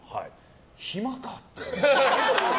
暇かって。